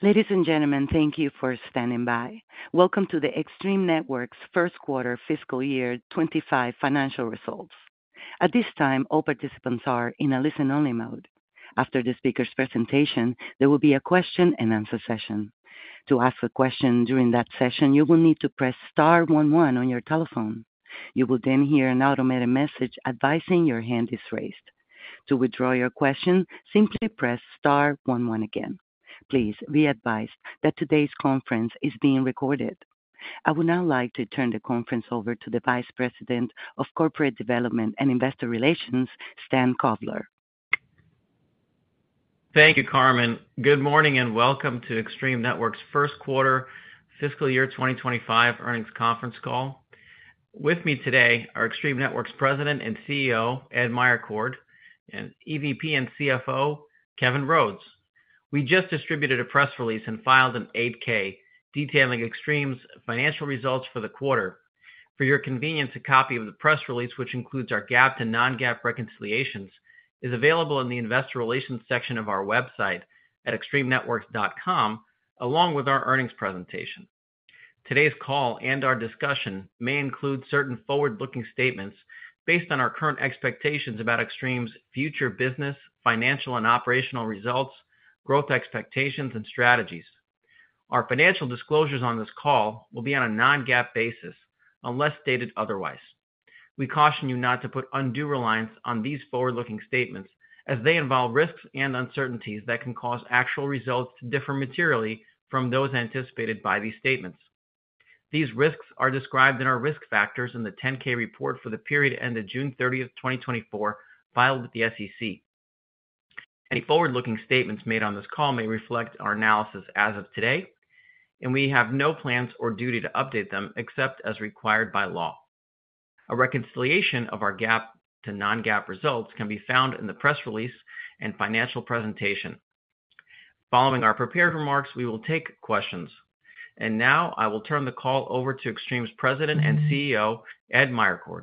Ladies and gentlemen, thank you for standing by. Welcome to the Extreme Networks first quarter fiscal year 2025 financial results. At this time, all participants are in a listen-only mode. After the speaker's presentation, there will be a question-and-answer session. To ask a question during that session, you will need to press star one one on your telephone. You will then hear an automated message advising that your hand is raised. To withdraw your question, simply press star one one again. Please be advised that today's conference is being recorded. I would now like to turn the conference over to the Vice President of Corporate Development and Investor Relations, Stan Kovler. Thank you, Carmen. Good morning and welcome to Extreme Networks first quarter fiscal year 2025 earnings conference call. With me today are Extreme Networks President and CEO, Ed Meyercord, and EVP and CFO, Kevin Rhodes. We just distributed a press release and filed an 8K detailing Extreme's financial results for the quarter. For your convenience, a copy of the press release, which includes our GAAP to non-GAAP reconciliations, is available in the investor relations section of our website at extremenetworks.com, along with our earnings presentation. Today's call and our discussion may include certain forward-looking statements based on our current expectations about Extreme's future business, financial, and operational results, growth expectations, and strategies. Our financial disclosures on this call will be on a non-GAAP basis unless stated otherwise. We caution you not to put undue reliance on these forward-looking statements as they involve risks and uncertainties that can cause actual results to differ materially from those anticipated by these statements. These risks are described in our risk factors in the 10-K report for the period ended June 30th, 2024, filed with the SEC. Any forward-looking statements made on this call may reflect our analysis as of today, and we have no plans or duty to update them except as required by law. A reconciliation of our GAAP to non-GAAP results can be found in the press release and financial presentation. Following our prepared remarks, we will take questions. And now I will turn the call over to Extreme's President and CEO, Ed Meyercord.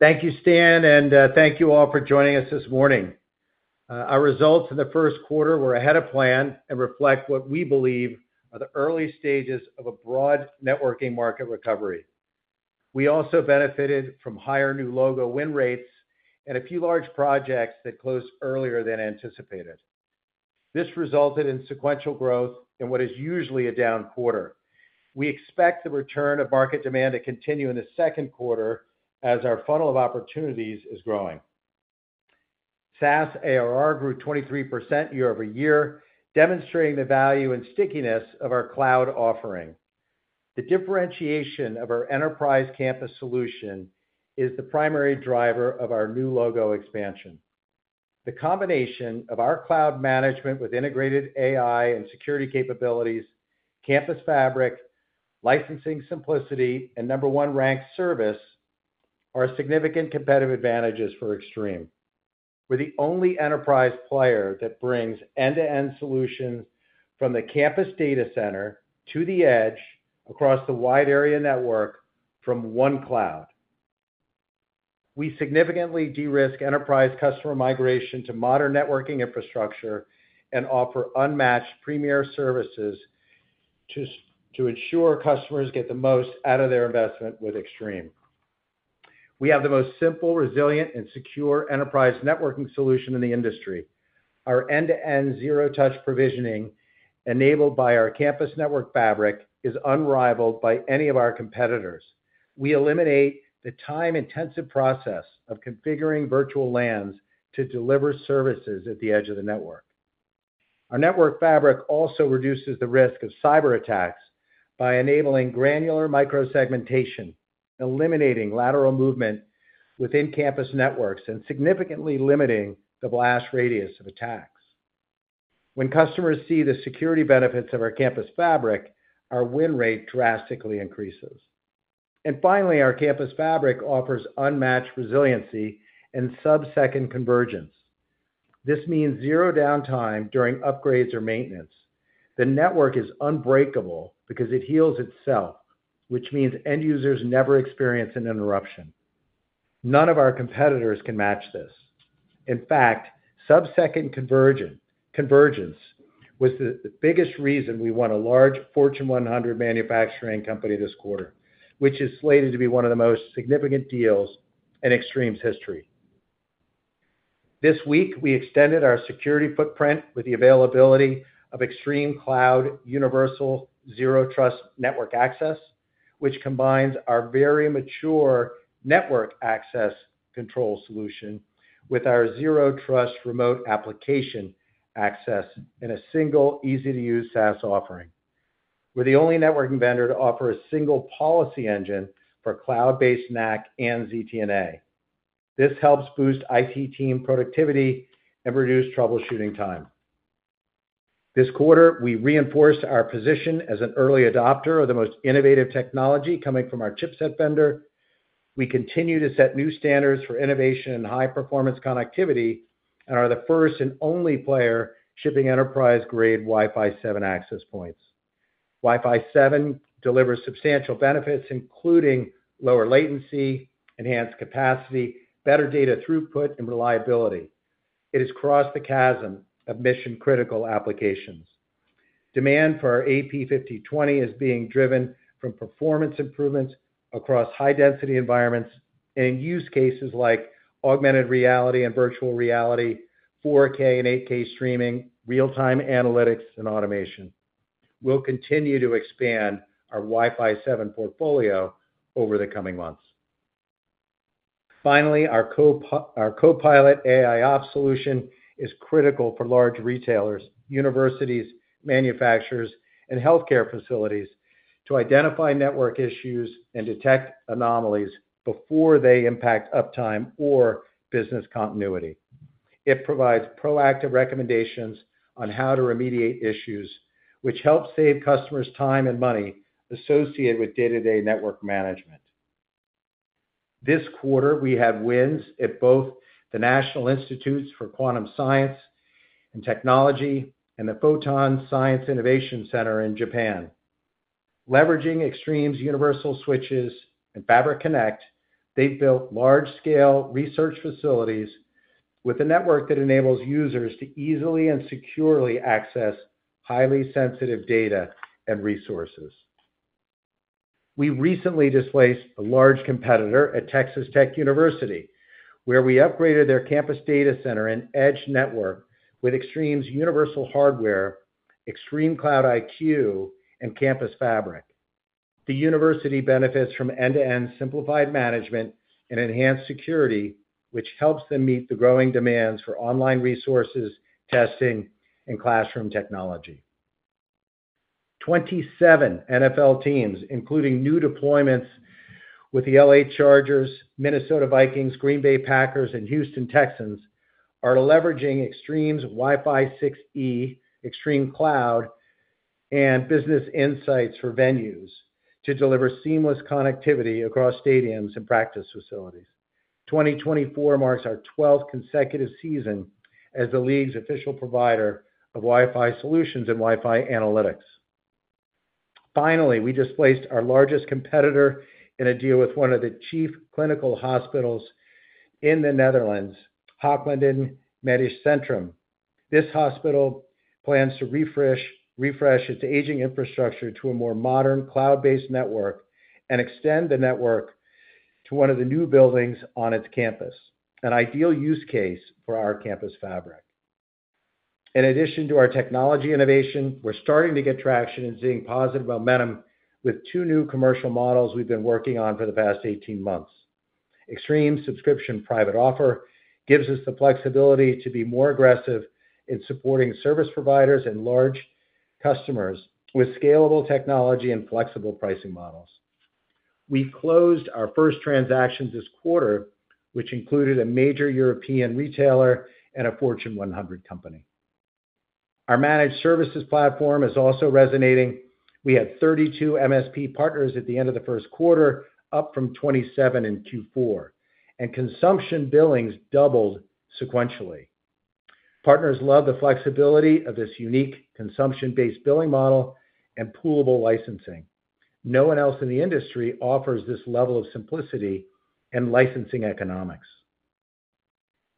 Thank you, Stan, and thank you all for joining us this morning. Our results in the first quarter were ahead of plan and reflect what we believe are the early stages of a broad networking market recovery. We also benefited from higher new logo win rates and a few large projects that closed earlier than anticipated. This resulted in sequential growth in what is usually a down quarter. We expect the return of market demand to continue in the second quarter as our funnel of opportunities is growing. SaaS ARR grew 23% year over year, demonstrating the value and stickiness of our cloud offering. The differentiation of our enterprise campus solution is the primary driver of our new logo expansion. The combination of our cloud management with integrated AI and security capabilities, Campus Fabric, licensing simplicity, and number one ranked service are significant competitive advantages for Extreme. We're the only enterprise player that brings end-to-end solutions from the campus data center to the edge across the wide area network from one cloud. We significantly de-risk enterprise customer migration to modern networking infrastructure and offer unmatched Premier Services to ensure customers get the most out of their investment with Extreme. We have the most simple, resilient, and secure enterprise networking solution in the industry. Our end-to-end zero-touch provisioning enabled by our campus network fabric is unrivaled by any of our competitors. We eliminate the time-intensive process of configuring virtual LANs to deliver services at the edge of the network. Our network fabric also reduces the risk of cyberattacks by enabling granular microsegmentation, eliminating lateral movement within campus networks, and significantly limiting the blast radius of attacks. When customers see the security benefits of our Campus Fabric, our win rate drastically increases. Finally, our Campus Fabric offers unmatched resiliency and sub-second convergence. This means zero downtime during upgrades or maintenance. The network is unbreakable because it heals itself, which means end users never experience an interruption. None of our competitors can match this. In fact, sub-second convergence was the biggest reason we won a large Fortune 100 manufacturing company this quarter, which is slated to be one of the most significant deals in Extreme's history. This week, we extended our security footprint with the availability of ExtremeCloud Universal Zero Trust Network Access, which combines our very mature network access control solution with our Zero Trust Remote Application access in a single, easy-to-use SaaS offering. We're the only networking vendor to offer a single policy engine for cloud-based NAC and ZTNA. This helps boost IT team productivity and reduce troubleshooting time. This quarter, we reinforced our position as an early adopter of the most innovative technology coming from our chipset vendor. We continue to set new standards for innovation and high-performance connectivity and are the first and only player shipping enterprise-grade Wi-Fi 7 access points. Wi-Fi 7 delivers substantial benefits, including lower latency, enhanced capacity, better data throughput, and reliability. It has crossed the chasm of mission-critical applications. Demand for our AP5020 is being driven from performance improvements across high-density environments and use cases like augmented reality and virtual reality, 4K and 8K streaming, real-time analytics, and automation. We'll continue to expand our Wi-Fi 7 portfolio over the coming months. Finally, our CoPilot AIOps solution is critical for large retailers, universities, manufacturers, and healthcare facilities to identify network issues and detect anomalies before they impact uptime or business continuity. It provides proactive recommendations on how to remediate issues, which helps save customers time and money associated with day-to-day network management. This quarter, we had wins at both the National Institutes for Quantum Science and Technology and the Photon Science Innovation Center in Japan. Leveraging Extreme's Universal switches and Fabric Connect, they've built large-scale research facilities with a network that enables users to easily and securely access highly sensitive data and resources. We recently displaced a large competitor at Texas Tech University, where we upgraded their campus data center and edge network with Extreme's Universal hardware, ExtremeCloud IQ, and Campus Fabric. The university benefits from end-to-end simplified management and enhanced security, which helps them meet the growing demands for online resources, testing, and classroom technology. 27 NFL teams, including new deployments with the Los Angeles Chargers, Minnesota Vikings, Green Bay Packers, and Houston Texans, are leveraging Extreme's Wi-Fi 6E, ExtremeCloud, and ExtremeCloud Business Insights for venues to deliver seamless connectivity across stadiums and practice facilities. 2024 marks our 12th consecutive season as the league's official provider of Wi-Fi solutions and Wi-Fi analytics. Finally, we displaced our largest competitor in a deal with one of the chief clinical hospitals in the Netherlands, Haaglanden Medisch Centrum. This hospital plans to refresh its aging infrastructure to a more modern cloud-based network and extend the network to one of the new buildings on its campus, an ideal use case for our Campus Fabric. In addition to our technology innovation, we're starting to get traction and seeing positive momentum with two new commercial models we've been working on for the past 18 months. Extreme's Subscription Private Offer gives us the flexibility to be more aggressive in supporting service providers and large customers with scalable technology and flexible pricing models. We closed our first transactions this quarter, which included a major European retailer and a Fortune 100 company. Our Managed Services Platform is also resonating. We had 32 MSP partners at the end of the first quarter, up from 27 in Q4, and consumption billings doubled sequentially. Partners love the flexibility of this unique consumption-based billing model and poolable licensing. No one else in the industry offers this level of simplicity and licensing economics.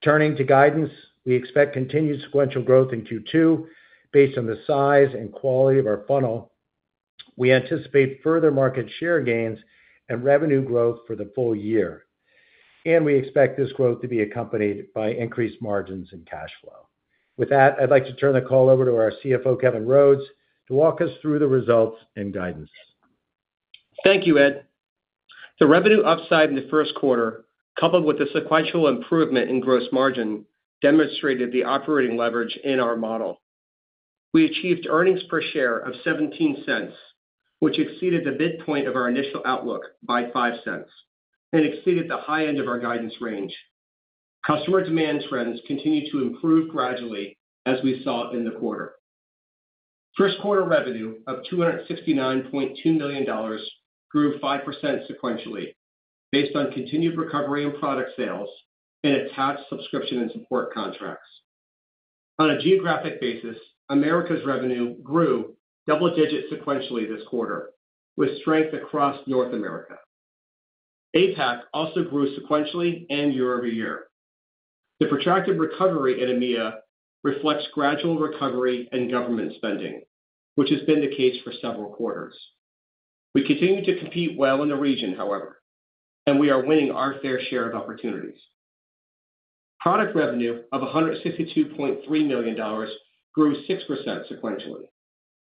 Turning to guidance, we expect continued sequential growth in Q2 based on the size and quality of our funnel. We anticipate further market share gains and revenue growth for the full year, and we expect this growth to be accompanied by increased margins and cash flow. With that, I'd like to turn the call over to our CFO, Kevin Rhodes, to walk us through the results and guidance. Thank you, Ed. The revenue upside in the first quarter, coupled with the sequential improvement in gross margin, demonstrated the operating leverage in our model. We achieved earnings per share of $0.17, which exceeded the midpoint of our initial outlook by $0.05 and exceeded the high end of our guidance range. Customer demand trends continue to improve gradually as we saw in the quarter. First quarter revenue of $269.2 million grew 5% sequentially based on continued recovery and product sales and attached subscription and support contracts. On a geographic basis, Americas revenue grew double-digit sequentially this quarter with strength across North America. APAC also grew sequentially and year over year. The protracted recovery in EMEA reflects gradual recovery in government spending, which has been the case for several quarters. We continue to compete well in the region, however, and we are winning our fair share of opportunities. Product revenue of $162.3 million grew 6% sequentially.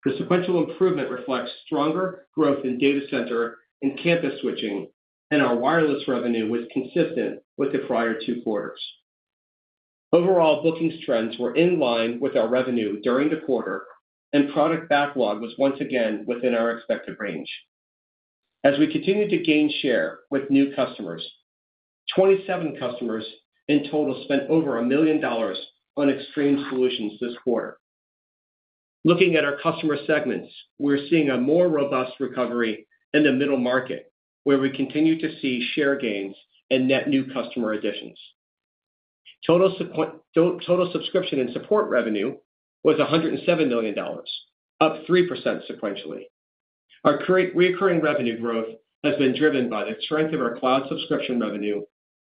The sequential improvement reflects stronger growth in data center and campus switching, and our wireless revenue was consistent with the prior two quarters. Overall, bookings trends were in line with our revenue during the quarter, and product backlog was once again within our expected range. As we continue to gain share with new customers, 27 customers in total spent over a million dollars on Extreme solutions this quarter. Looking at our customer segments, we're seeing a more robust recovery in the middle market, where we continue to see share gains and net new customer additions. Total subscription and support revenue was $107 million, up 3% sequentially. Our recurring revenue growth has been driven by the strength of our cloud subscription revenue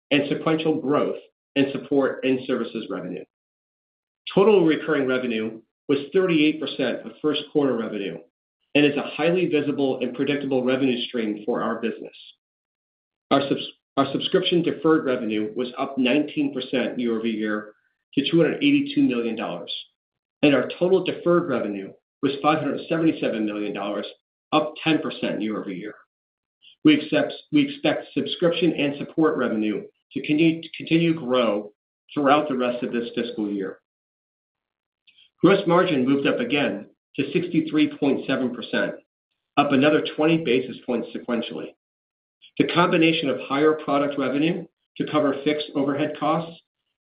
and sequential growth in support and services revenue. Total recurring revenue was 38% of first quarter revenue and is a highly visible and predictable revenue stream for our business. Our subscription deferred revenue was up 19% year over year to $282 million, and our total deferred revenue was $577 million, up 10% year over year. We expect subscription and support revenue to continue to grow throughout the rest of this fiscal year. Gross margin moved up again to 63.7%, up another 20 basis points sequentially. The combination of higher product revenue to cover fixed overhead costs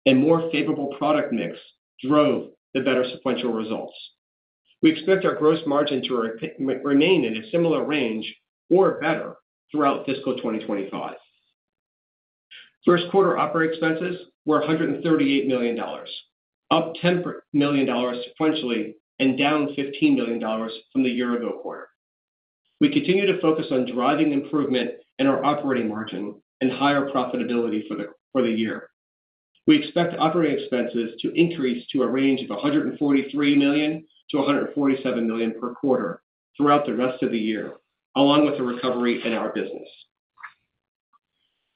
and more favorable product mix drove the better sequential results. We expect our gross margin to remain in a similar range or better throughout fiscal 2025. First quarter operating expenses were $138 million, up $10 million sequentially and down $15 million from the year-ago quarter. We continue to focus on driving improvement in our operating margin and higher profitability for the year. We expect operating expenses to increase to a range of $143 million-$147 million per quarter throughout the rest of the year, along with the recovery in our business.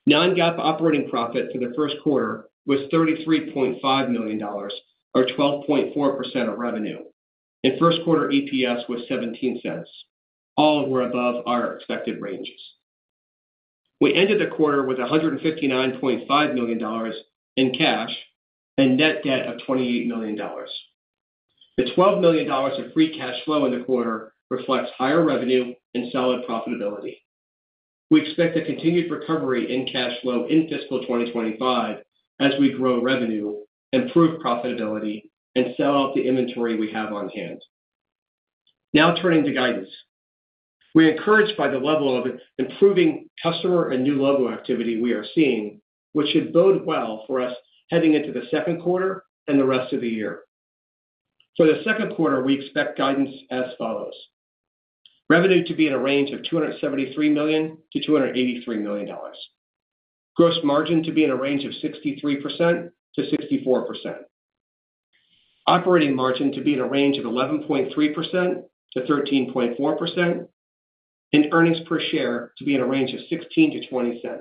Non-GAAP operating profit for the first quarter was $33.5 million, or 12.4% of revenue, and first quarter EPS was $0.17, all were above our expected ranges. We ended the quarter with $159.5 million in cash and net debt of $28 million. The $12 million of free cash flow in the quarter reflects higher revenue and solid profitability. We expect a continued recovery in cash flow in fiscal 2025 as we grow revenue, improve profitability, and sell out the inventory we have on hand. Now turning to guidance, we are encouraged by the level of improving customer and new logo activity we are seeing, which should bode well for us heading into the second quarter and the rest of the year. For the second quarter, we expect guidance as follows: revenue to be in a range of $273 million-$283 million, gross margin to be in a range of 63%-64%, operating margin to be in a range of 11.3%-13.4%, and earnings per share to be in a range of $0.16-$0.20.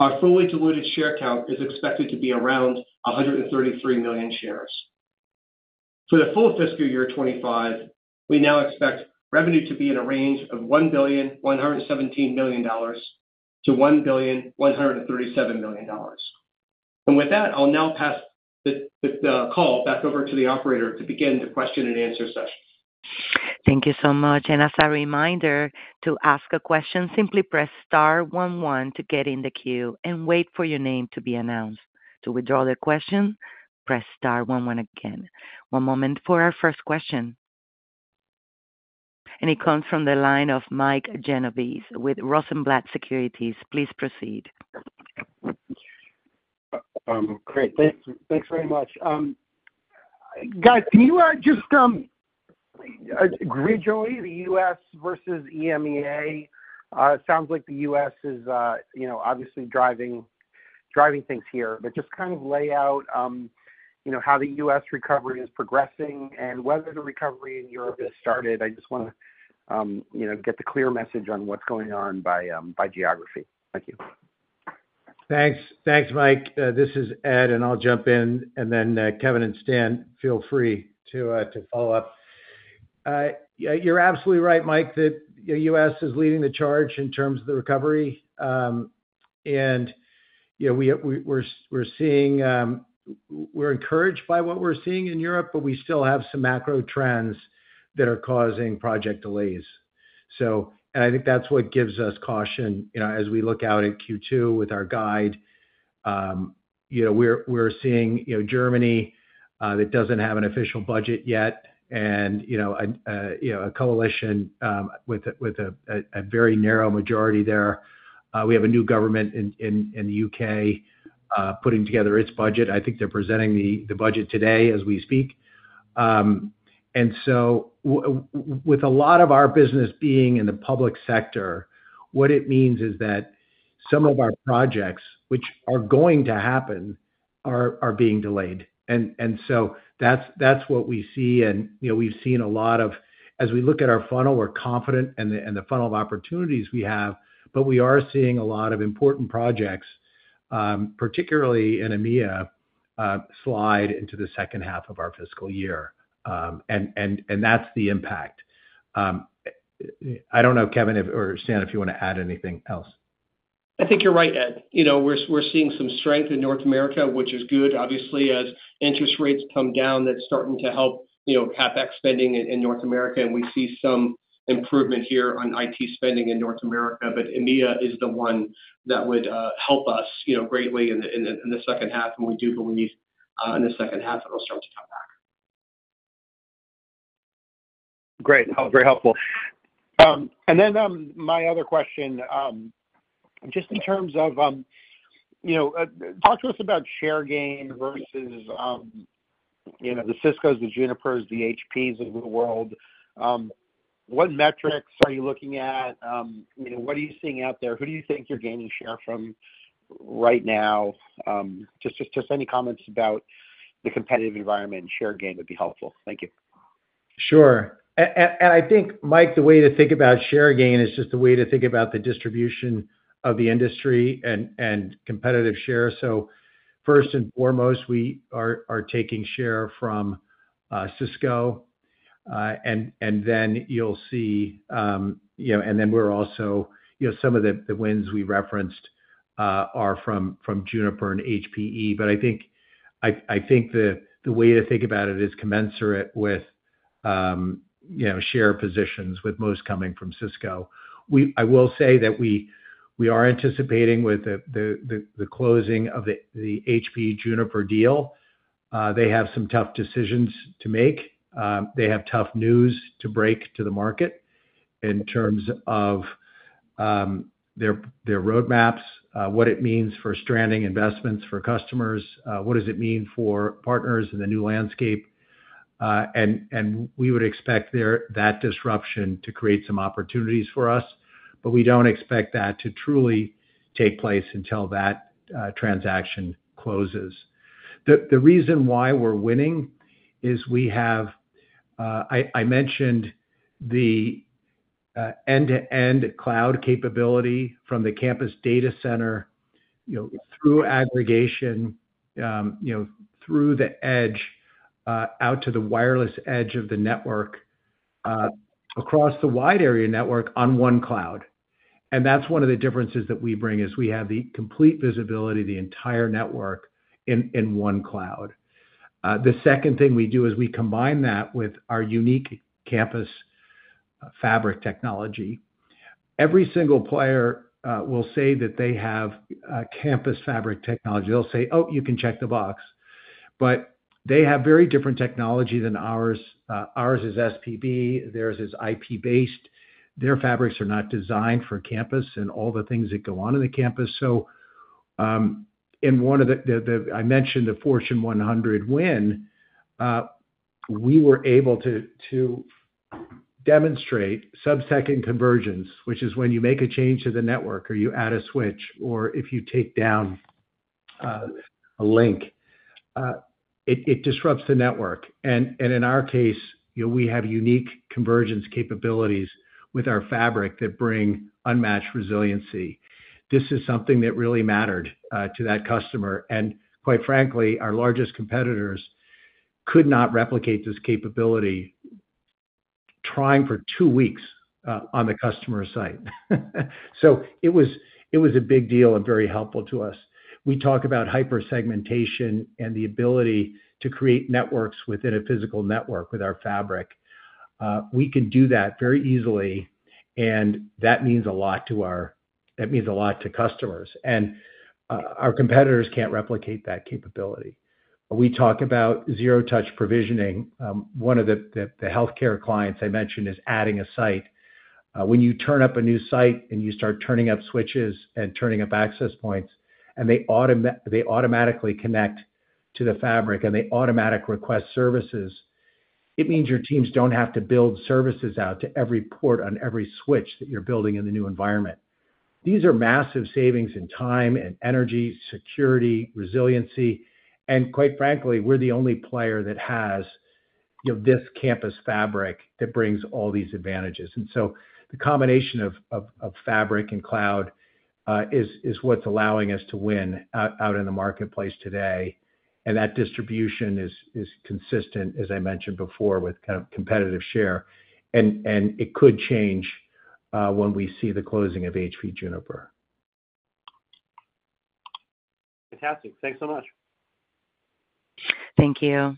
Our fully diluted share count is expected to be around 133 million shares. For the full fiscal year 2025, we now expect revenue to be in a range of $1,117 million-$1,137 million. And with that, I'll now pass the call back over to the operator to begin the question and answer session. Thank you so much. As a reminder, to ask a question, simply press star one one to get in the queue and wait for your name to be announced. To withdraw the question, press star one one again. One moment for our first question. It comes from the line of Mike Genovese with Rosenblatt Securities. Please proceed. Great. Thanks very much. Guys, can you just break down the U.S. versus EMEA? It sounds like the U.S. is obviously driving things here. But just kind of lay out how the U.S. recovery is progressing and whether the recovery in Europe has started. I just want to get the clear message on what's going on by geography. Thank you. Thanks, Mike. This is Ed, and I'll jump in, and then Kevin and Stan, feel free to follow up. You're absolutely right, Mike, that the U.S. is leading the charge in terms of the recovery, and we're encouraged by what we're seeing in Europe, but we still have some macro trends that are causing project delays, and I think that's what gives us caution as we look out at Q2 with our guide. We're seeing Germany that doesn't have an official budget yet and a coalition with a very narrow majority there. We have a new government in the U.K. putting together its budget. I think they're presenting the budget today as we speak, and so with a lot of our business being in the public sector, what it means is that some of our projects, which are going to happen, are being delayed, and so that's what we see. And we've seen a lot of, as we look at our funnel, we're confident in the funnel of opportunities we have, but we are seeing a lot of important projects, particularly in EMEA, slide into the second half of our fiscal year. And that's the impact. I don't know, Kevin or Stan, if you want to add anything else. I think you're right, Ed. We're seeing some strength in North America, which is good, obviously, as interest rates come down. That's starting to help CapEx spending in North America. And we see some improvement here on IT spending in North America. But EMEA is the one that would help us greatly in the second half. And we do believe in the second half, it'll start to come back. Great. That was very helpful. And then my other question, just in terms of talk to us about share gain versus the Ciscos, the Junipers, the HPs of the world. What metrics are you looking at? What are you seeing out there? Who do you think you're gaining share from right now? Just any comments about the competitive environment and share gain would be helpful. Thank you. Sure. And I think, Mike, the way to think about share gain is just the way to think about the distribution of the industry and competitive share. So first and foremost, we are taking share from Cisco. And then you'll see, and then we're also some of the wins we referenced are from Juniper and HPE. But I think the way to think about it is commensurate with share positions, with most coming from Cisco. I will say that we are anticipating with the closing of the HPE/Juniper deal, they have some tough decisions to make. They have tough news to break to the market in terms of their roadmaps, what it means for stranding investments for customers, what does it mean for partners in the new landscape. And we would expect that disruption to create some opportunities for us. But we don't expect that to truly take place until that transaction closes. The reason why we're winning is we have, I mentioned, the end-to-end cloud capability from the campus data center through aggregation, through the edge, out to the wireless edge of the network across the wide area network on one cloud. And that's one of the differences that we bring is we have the complete visibility, the entire network in one cloud. The second thing we do is we combine that with our unique campus fabric technology. Every single player will say that they have campus fabric technology. They'll say, "Oh, you can check the box." But they have very different technology than ours. Ours is SPB. Theirs is IP-based. Their fabrics are not designed for campus and all the things that go on in the campus. So in one of the, I mentioned the Fortune 100 win, we were able to demonstrate sub-second convergence, which is when you make a change to the network or you add a switch or if you take down a link, it disrupts the network. And in our case, we have unique convergence capabilities with our fabric that bring unmatched resiliency. This is something that really mattered to that customer. And quite frankly, our largest competitors could not replicate this capability trying for two weeks on the customer's side. So it was a big deal and very helpful to us. We talk about microsegmentation and the ability to create networks within a physical network with our fabric. We can do that very easily, and that means a lot to our, that means a lot to customers. And our competitors can't replicate that capability. We talk about zero-touch provisioning. One of the healthcare clients I mentioned is adding a site. When you turn up a new site and you start turning up switches and turning up access points, and they automatically connect to the fabric and they automatically request services, it means your teams don't have to build services out to every port on every switch that you're building in the new environment. These are massive savings in time and energy, security, resiliency. And quite frankly, we're the only player that has this Campus Fabric that brings all these advantages. And so the combination of fabric and cloud is what's allowing us to win out in the marketplace today. And that distribution is consistent, as I mentioned before, with kind of competitive share. And it could change when we see the closing of HPE/Juniper. Fantastic. Thanks so much. Thank you.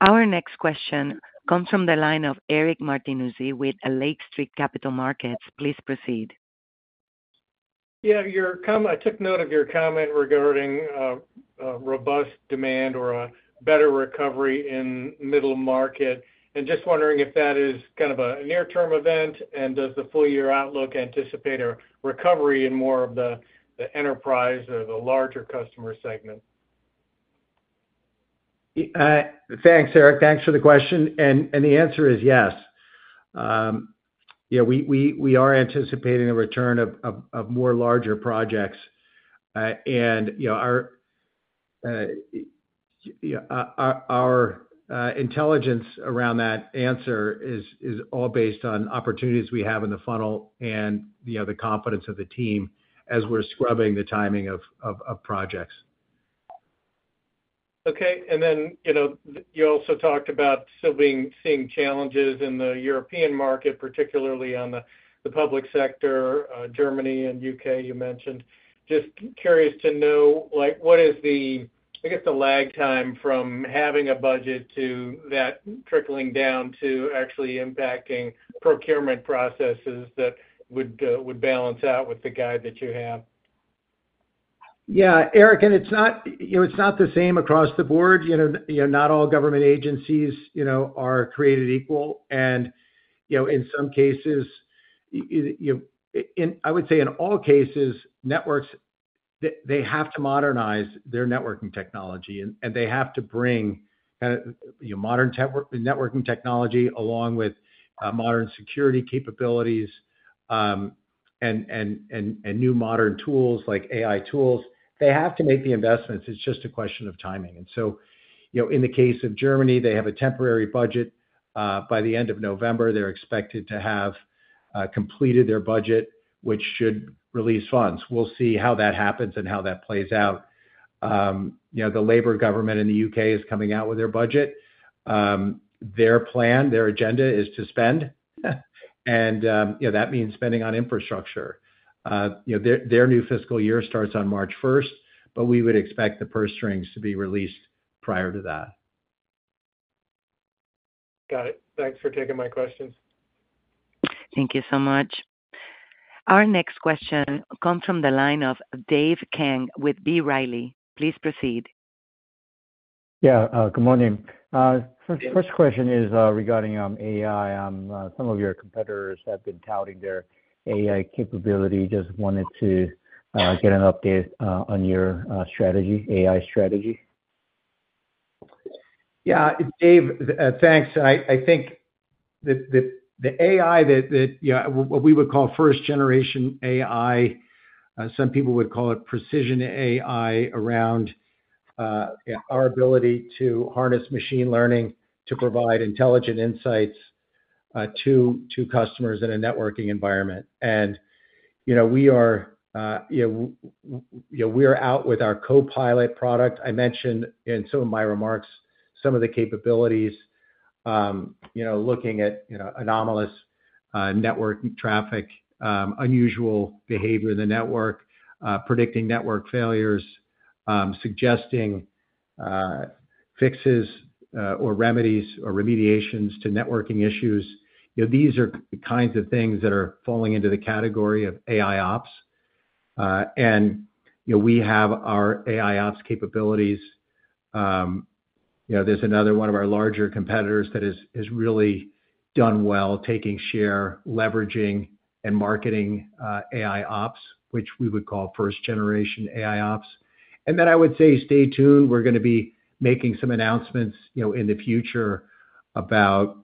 Our next question comes from the line of Eric Martinuzzi with Lake Street Capital Markets. Please proceed. Yeah, I took note of your comment regarding robust demand or a better recovery in middle market, and just wondering if that is kind of a near-term event and does the full-year outlook anticipate a recovery in more of the enterprise or the larger customer segment? Thanks, Eric. Thanks for the question, and the answer is yes. Yeah, we are anticipating a return of more larger projects, and our intelligence around that answer is all based on opportunities we have in the funnel and the confidence of the team as we're scrubbing the timing of projects. Okay. And then you also talked about still seeing challenges in the European market, particularly on the public sector, Germany and U.K. you mentioned. Just curious to know, what is the, I guess, the lag time from having a budget to that trickling down to actually impacting procurement processes that would balance out with the guide that you have? Yeah, Eric, and it's not the same across the board. Not all government agencies are created equal. And in some cases, I would say in all cases, networks, they have to modernize their networking technology. And they have to bring modern networking technology along with modern security capabilities and new modern tools like AI tools. They have to make the investments. It's just a question of timing. And so in the case of Germany, they have a temporary budget. By the end of November, they're expected to have completed their budget, which should release funds. We'll see how that happens and how that plays out. The Labour government in the U.K. is coming out with their budget. Their plan, their agenda is to spend. And that means spending on infrastructure. Their new fiscal year starts on March 1st, but we would expect the purse strings to be released prior to that. Got it. Thanks for taking my questions. Thank you so much. Our next question comes from the line of Dave Kang with B. Riley. Please proceed. Yeah, good morning. First question is regarding AI. Some of your competitors have been touting their AI capability. Just wanted to get an update on your strategy, AI strategy. Yeah, Dave, thanks. I think the AI that we would call first-generation AI, some people would call it precision AI around our ability to harness machine learning to provide intelligent insights to customers in a networking environment. And we are out with our CoPilot product. I mentioned in some of my remarks some of the capabilities, looking at anomalous network traffic, unusual behavior in the network, predicting network failures, suggesting fixes or remedies or remediations to networking issues. These are the kinds of things that are falling into the category of AIOps. And we have our AIOps capabilities. There's another one of our larger competitors that has really done well, taking share, leveraging, and marketing AIOps, which we would call first-generation AIOps. And then I would say stay tuned. We're going to be making some announcements in the future about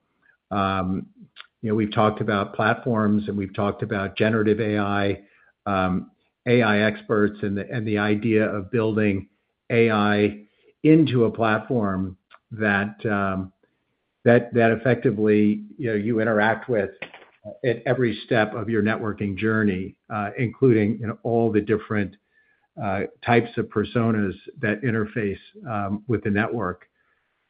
we've talked about platforms and we've talked about generative AI, AI experts, and the idea of building AI into a platform that effectively you interact with at every step of your networking journey, including all the different types of personas that interface with the network.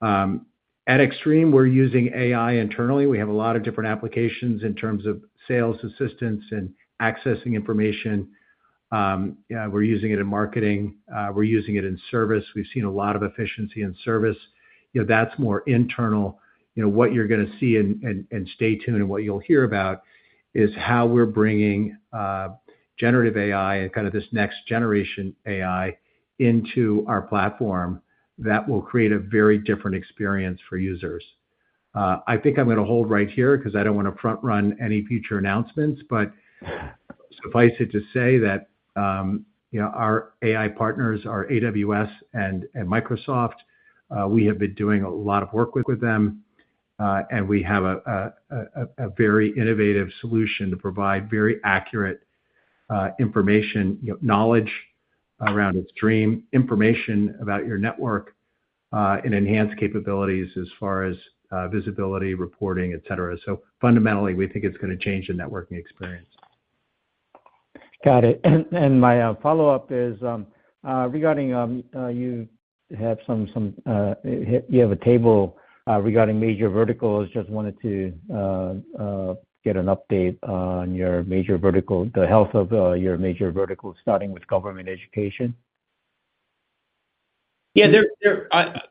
At Extreme, we're using AI internally. We have a lot of different applications in terms of sales assistance and accessing information. We're using it in marketing. We're using it in service. We've seen a lot of efficiency in service. That's more internal. What you're going to see and stay tuned and what you'll hear about is how we're bringing generative AI and kind of this next-generation AI into our platform that will create a very different experience for users. I think I'm going to hold right here because I don't want to front-run any future announcements. But suffice it to say that our AI partners, our AWS and Microsoft, we have been doing a lot of work with them. And we have a very innovative solution to provide very accurate information, knowledge around Extreme, information about your network, and enhanced capabilities as far as visibility, reporting, etc. So fundamentally, we think it's going to change the networking experience. Got it. And my follow-up is regarding you have a table regarding major verticals. Just wanted to get an update on your major vertical, the health of your major vertical, starting with government education. Yeah,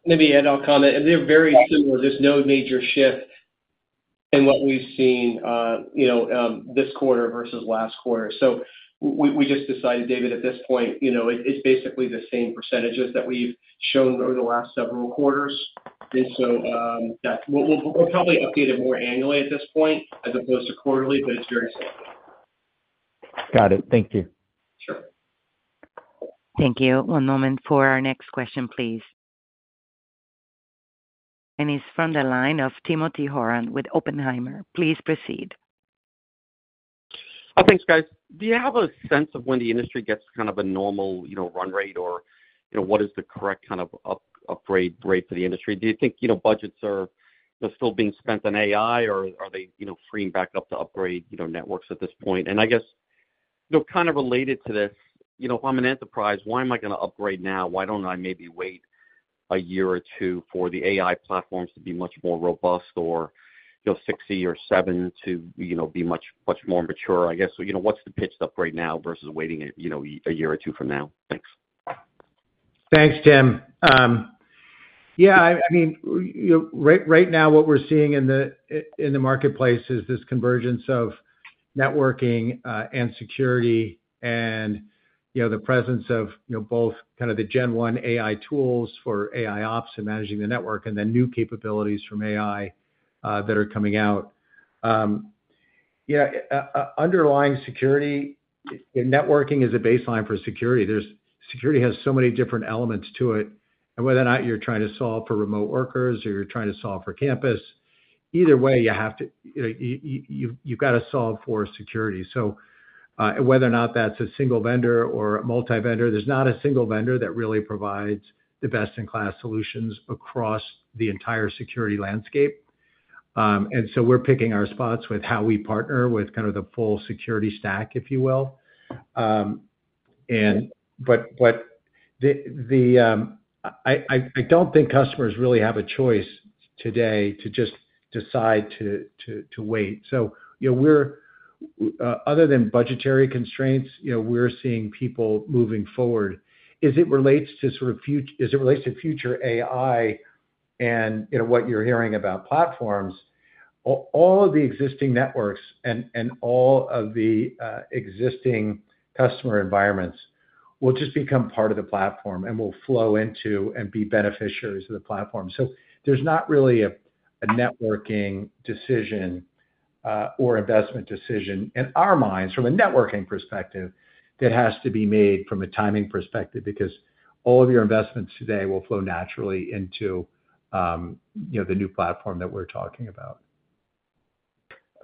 maybe Ed, I'll comment. They're very similar. There's no major shift in what we've seen this quarter versus last quarter. So we just decided, David, at this point, it's basically the same percentages that we've shown over the last several quarters. And so we'll probably update it more annually at this point as opposed to quarterly, but it's very similar. Got it. Thank you. Sure. Thank you. One moment for our next question, please, and he's from the line of Timothy Horan with Oppenheimer. Please proceed. Thanks, guys. Do you have a sense of when the industry gets kind of a normal run rate or what is the correct kind of upgrade rate for the industry? Do you think budgets are still being spent on AI, or are they freeing back up to upgrade networks at this point? And I guess kind of related to this, if I'm an enterprise, why am I going to upgrade now? Why don't I maybe wait a year or two for the AI platforms to be much more robust or Wi-Fi 6 or 7 to be much more mature, I guess? What's the pitch to upgrade now versus waiting a year or two from now? Thanks. Thanks, Tim. Yeah, I mean, right now, what we're seeing in the marketplace is this convergence of networking and security and the presence of both kind of the Gen One AI tools for AIOps and managing the network and then new capabilities from AI that are coming out. Underlying security, networking is a baseline for security. Security has so many different elements to it. And whether or not you're trying to solve for remote workers or you're trying to solve for campus, either way, you've got to solve for security. So whether or not that's a single vendor or a multi-vendor, there's not a single vendor that really provides the best-in-class solutions across the entire security landscape. And so we're picking our spots with how we partner with kind of the full security stack, if you will. But I don't think customers really have a choice today to just decide to wait. So other than budgetary constraints, we're seeing people moving forward. As it relates to sort of future, as it relates to future AI and what you're hearing about platforms, all of the existing networks and all of the existing customer environments will just become part of the platform and will flow into and be beneficiaries of the platform. So there's not really a networking decision or investment decision in our minds from a networking perspective that has to be made from a timing perspective because all of your investments today will flow naturally into the new platform that we're talking about.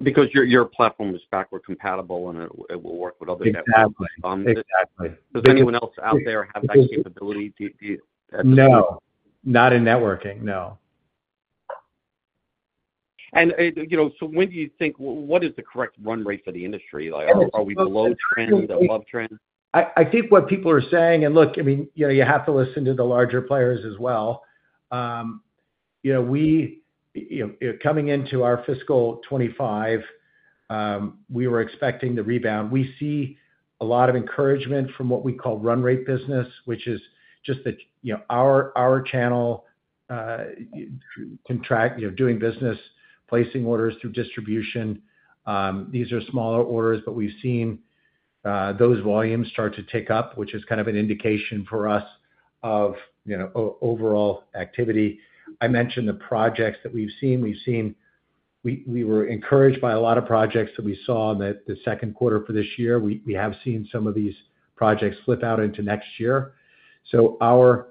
Because your platform is backward compatible and it will work with other networks. Exactly. Does anyone else out there have that capability? No. Not in networking, no. And so, when do you think, what is the correct run rate for the industry? Are we below trend, above trend? I think what people are saying, and look, I mean, you have to listen to the larger players as well. Coming into our fiscal 2025, we were expecting the rebound. We see a lot of encouragement from what we call run rate business, which is just our channel contract, doing business, placing orders through distribution. These are smaller orders, but we've seen those volumes start to tick up, which is kind of an indication for us of overall activity. I mentioned the projects that we've seen. We were encouraged by a lot of projects that we saw in the second quarter for this year. We have seen some of these projects flip out into next year. So our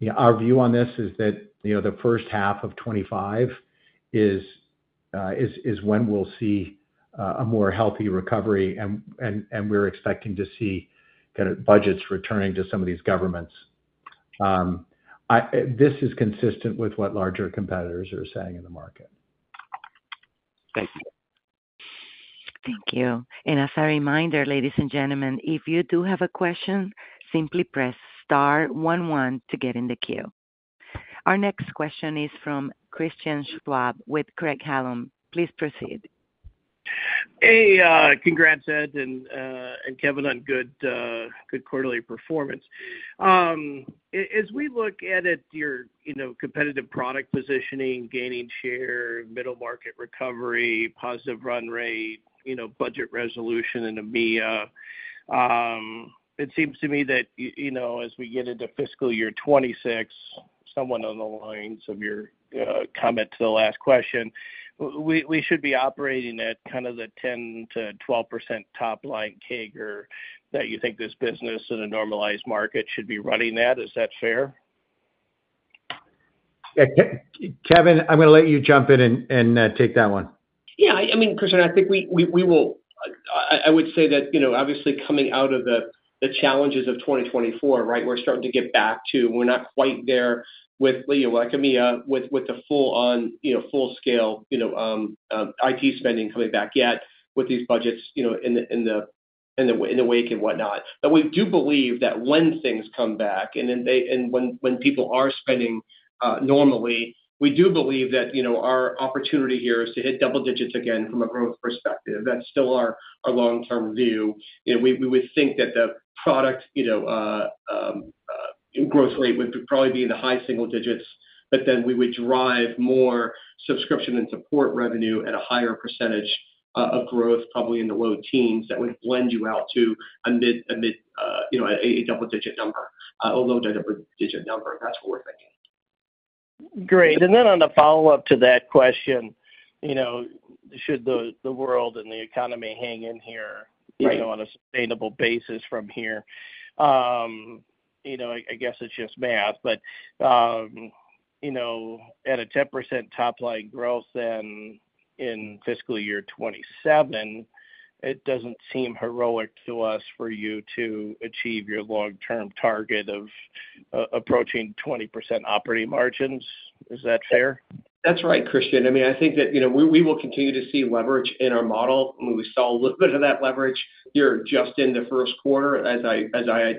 view on this is that the first half of 2025 is when we'll see a more healthy recovery, and we're expecting to see kind of budgets returning to some of these governments. This is consistent with what larger competitors are saying in the market. Thank you. Thank you. And as a reminder, ladies and gentlemen, if you do have a question, simply press star one one to get in the queue. Our next question is from Christian Schwab with Craig-Hallum. Please proceed. Hey, congrats, Ed and Kevin, on good quarterly performance. As we look at your competitive product positioning, gaining share, middle market recovery, positive run rate, budget resolution in EMEA, it seems to me that as we get into fiscal year 2026, somewhat on the lines of your comment to the last question, we should be operating at kind of the 10%-12% top line CAGR that you think this business in a normalized market should be running at. Is that fair? Kevin, I'm going to let you jump in and take that one. Yeah. I mean, Christian, I think I would say that obviously coming out of the challenges of 2024, right, we're starting to get back to. We're not quite there with EMEA with the full-on full-scale IT spending coming back yet with these budgets in the wake and whatnot. But we do believe that when things come back and when people are spending normally, we do believe that our opportunity here is to hit double digits again from a growth perspective. That's still our long-term view. We would think that the product growth rate would probably be in the high single digits, but then we would drive more subscription and support revenue at a higher percentage of growth, probably in the low teens that would blend you out to a mid a double-digit number, a low double-digit number. That's what we're thinking. Great. And then on the follow-up to that question, should the world and the economy hang in here on a sustainable basis from here? I guess it's just math. But at a 10% top line growth in fiscal year 2027, it doesn't seem heroic to us for you to achieve your long-term target of approaching 20% operating margins. Is that fair? That's right, Christian. I mean, I think that we will continue to see leverage in our model. We saw a little bit of that leverage here just in the first quarter, as I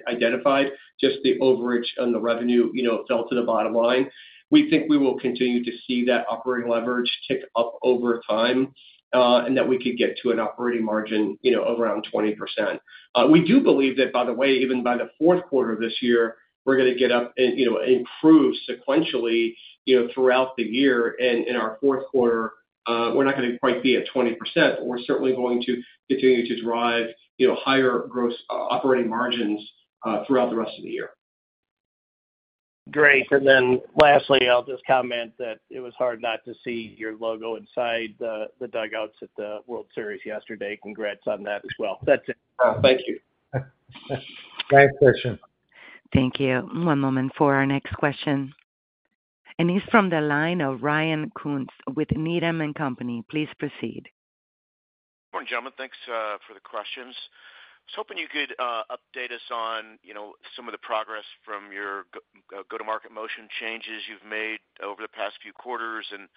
identified, just the overage on the revenue fell to the bottom line. We think we will continue to see that operating leverage tick up over time and that we could get to an operating margin of around 20%. We do believe that, by the way, even by the fourth quarter of this year, we're going to get up and improve sequentially throughout the year, and in our fourth quarter, we're not going to quite be at 20%, but we're certainly going to continue to drive higher gross operating margins throughout the rest of the year. Great. And then lastly, I'll just comment that it was hard not to see your logo inside the dugouts at the World Series yesterday. Congrats on that as well. That's it. Thank you. Thanks, Christian. Thank you. One moment for our next question. And he's from the line of Ryan Koontz with Needham & Company. Please proceed. Good morning, gentlemen. Thanks for the questions. I was hoping you could update us on some of the progress from your go-to-market motion changes you've made over the past few quarters and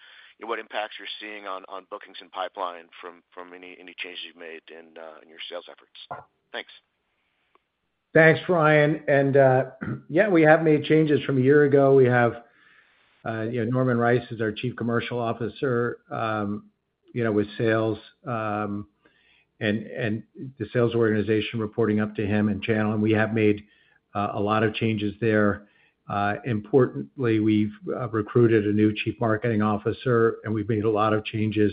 what impacts you're seeing on bookings and pipeline from any changes you've made in your sales efforts? Thanks. Thanks, Ryan. And yeah, we have made changes from a year ago. We have Norman Rice as our Chief Commercial Officer with sales and the sales organization reporting up to him and channel. And we have made a lot of changes there. Importantly, we've recruited a new Chief Marketing Officer, and we've made a lot of changes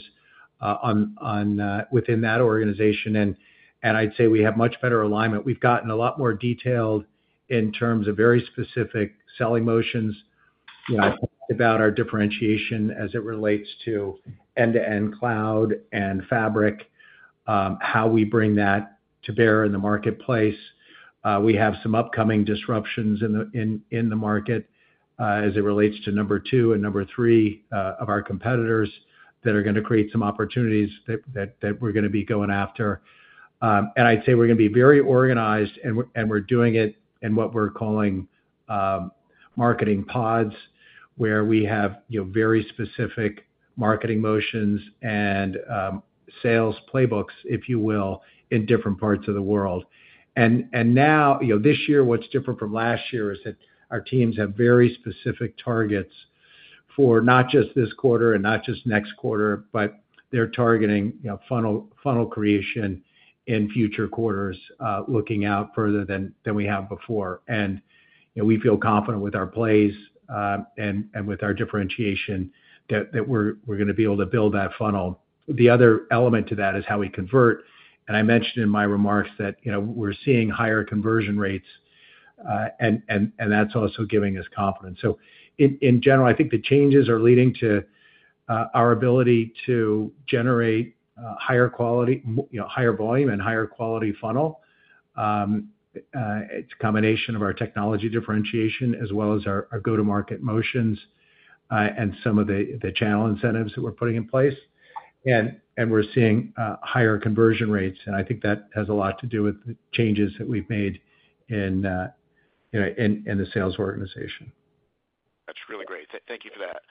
within that organization. And I'd say we have much better alignment. We've gotten a lot more detailed in terms of very specific selling motions. I talked about our differentiation as it relates to end-to-end cloud and fabric, how we bring that to bear in the marketplace. We have some upcoming disruptions in the market as it relates to number two and number three of our competitors that are going to create some opportunities that we're going to be going after. I'd say we're going to be very organized, and we're doing it in what we're calling marketing pods, where we have very specific marketing motions and sales playbooks, if you will, in different parts of the world. Now, this year, what's different from last year is that our teams have very specific targets for not just this quarter and not just next quarter, but they're targeting funnel creation in future quarters, looking out further than we have before. We feel confident with our plays and with our differentiation that we're going to be able to build that funnel. The other element to that is how we convert. I mentioned in my remarks that we're seeing higher conversion rates, and that's also giving us confidence. In general, I think the changes are leading to our ability to generate higher quality, higher volume, and higher quality funnel. It's a combination of our technology differentiation as well as our go-to-market motions and some of the channel incentives that we're putting in place, and we're seeing higher conversion rates, and I think that has a lot to do with the changes that we've made in the sales organization. That's really great. Thank you for that.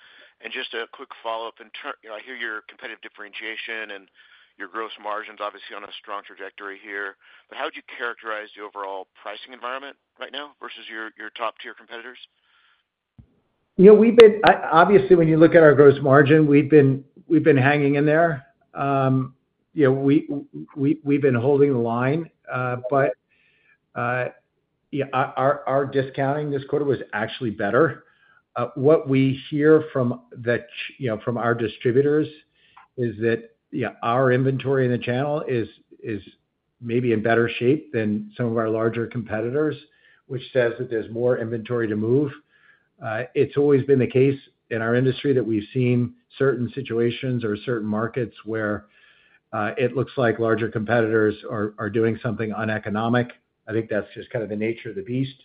And just a quick follow-up. I hear your competitive differentiation and your gross margins obviously on a strong trajectory here. But how would you characterize the overall pricing environment right now versus your top-tier competitors? Obviously, when you look at our gross margin, we've been hanging in there. We've been holding the line. But our discounting this quarter was actually better. What we hear from our distributors is that our inventory in the channel is maybe in better shape than some of our larger competitors, which says that there's more inventory to move. It's always been the case in our industry that we've seen certain situations or certain markets where it looks like larger competitors are doing something uneconomic. I think that's just kind of the nature of the beast.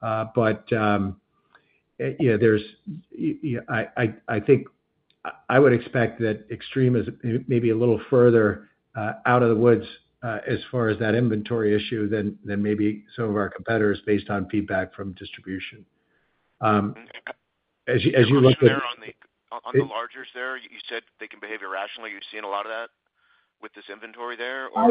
But I think I would expect that Extreme is maybe a little further out of the woods as far as that inventory issue than maybe some of our competitors based on feedback from distribution. As you look at. On the laggards there, you said they can behave irrationally. You've seen a lot of that with this inventory there, or? I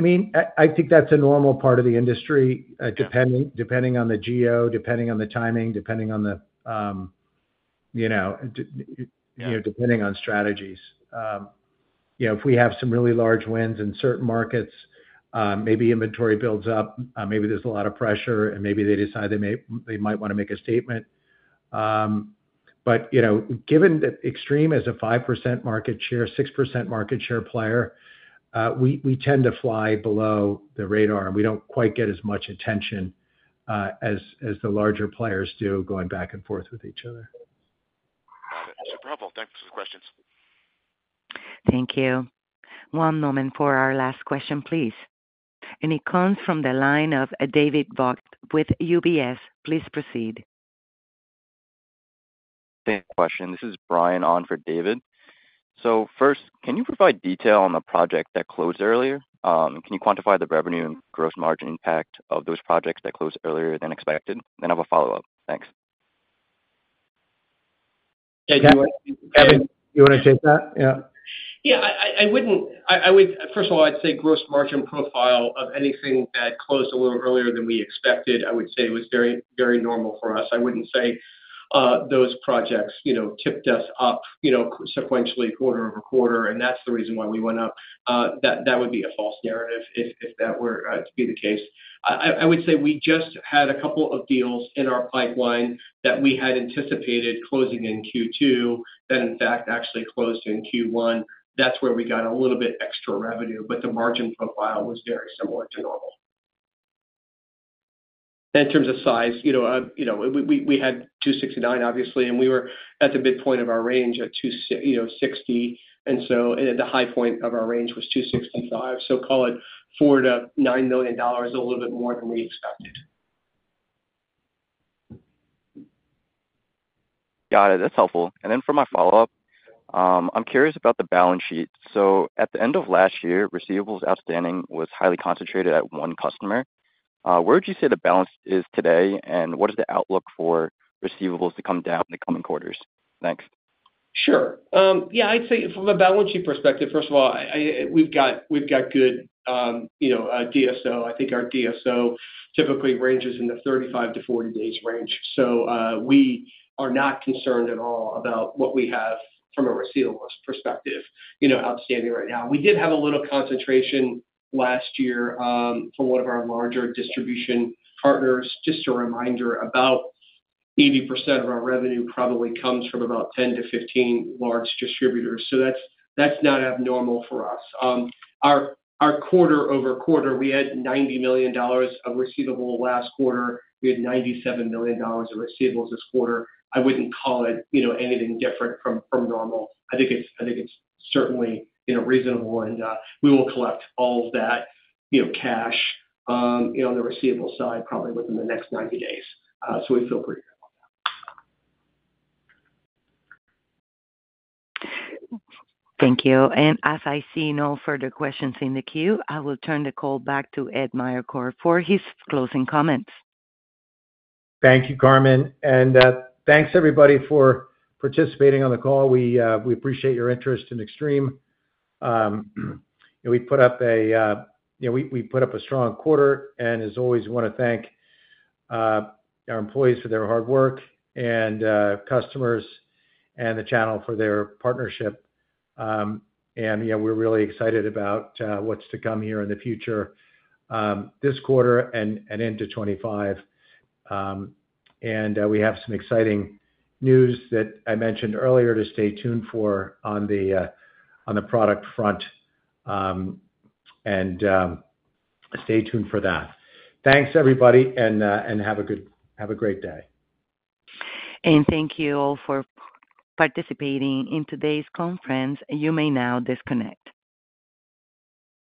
mean, I think that's a normal part of the industry, depending on the geo, depending on the timing, depending on strategies. If we have some really large wins in certain markets, maybe inventory builds up, maybe there's a lot of pressure, and maybe they decide they might want to make a statement. But given that Extreme is a 5% market share, 6% market share player, we tend to fly below the radar, and we don't quite get as much attention as the larger players do going back and forth with each other. Got it. Mr. Broockman, thanks for the questions. Thank you. One moment for our last question, please, and he comes from the line of David Vogt with UBS. Please proceed. Same question. This is Brian on for David. So first, can you provide detail on the project that closed earlier? Can you quantify the revenue and gross margin impact of those projects that closed earlier than expected? Then I have a follow-up. Thanks. Kevin, you want to take that? Yeah. Yeah. First of all, I'd say gross margin profile of anything that closed a little earlier than we expected, I would say, was very normal for us. I wouldn't say those projects tipped us up sequentially quarter over quarter, and that's the reason why we went up. That would be a false narrative if that were to be the case. I would say we just had a couple of deals in our pipeline that we had anticipated closing in Q2 that, in fact, actually closed in Q1. That's where we got a little bit extra revenue, but the margin profile was very similar to normal. In terms of size, we had 269, obviously, and we were at the midpoint of our range at 260. And so the high point of our range was 265. So call it $4 million-$9 million, a little bit more than we expected. Got it. That's helpful. And then for my follow-up, I'm curious about the balance sheet. So at the end of last year, receivables outstanding was highly concentrated at one customer. Where would you say the balance is today, and what is the outlook for receivables to come down in the coming quarters? Thanks. Sure. Yeah. I'd say from a balance sheet perspective, first of all, we've got good DSO. I think our DSO typically ranges in the 35-40 days range. So we are not concerned at all about what we have from a receivables perspective outstanding right now. We did have a little concentration last year from one of our larger distribution partners, just a reminder about 80% of our revenue probably comes from about 10-15 large distributors. So that's not abnormal for us. Our quarter over quarter, we had $90 million of receivable last quarter. We had $97 million of receivables this quarter. I wouldn't call it anything different from normal. I think it's certainly reasonable, and we will collect all of that cash on the receivable side probably within the next 90 days. So we feel pretty good about that. Thank you. As I see no further questions in the queue, I will turn the call back to Ed Meyercord for his closing comments. Thank you, Carmen. And thanks, everybody, for participating on the call. We appreciate your interest in Extreme. We put up a strong quarter, and as always, we want to thank our employees for their hard work and customers and the channel for their partnership. And we're really excited about what's to come here in the future this quarter and into 2025. And we have some exciting news that I mentioned earlier to stay tuned for on the product front. And stay tuned for that. Thanks, everybody, and have a great day. Thank you all for participating in today's conference. You may now disconnect.